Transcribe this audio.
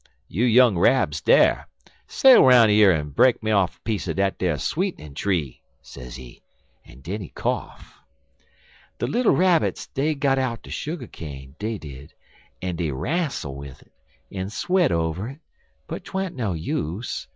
you young Rabs dar, sail 'roun' yer en broke me a piece er dat sweetnin' tree,' sezee, en den he koff. "De little Rabbits, dey got out de sugar cane, dey did, en dey rastle wid it, en sweat over it, but twan't no use.